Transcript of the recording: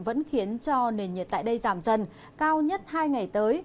vẫn khiến cho nền nhiệt tại đây giảm dần cao nhất hai ngày tới